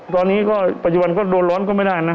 ตอนนี้ก็ปัจจุบันก็โดนร้อนก็ไม่ได้นะ